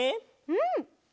うん！